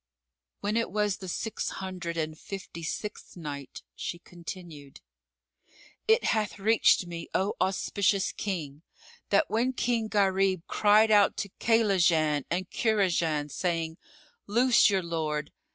When it was the Six Hundred and Fifty sixth Night, She continued, It hath reached me, O auspicious King, that when King Gharib cried out to Kaylajan and Kurajan, saying, "Loose your lord!"